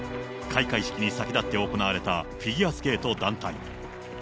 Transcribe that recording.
開会式に先立って行われたフィギュアスケート団体。